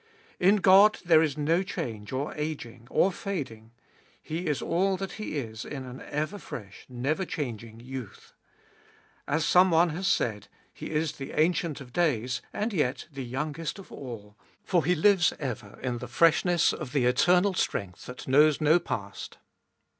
In God there is no change, or ageing, or fading ; He is all that He is in an ever fresh, never changing, youth. As some one has said :" He is the Ancient of Days, and yet the youngest of all, for He lives ever in the freshness of the 240 Cbe Doliest of 2111 eternal strength that knows no past."